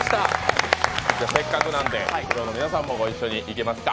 せっかくなんでＦＬＯＷの皆さんもご一緒にいけますか。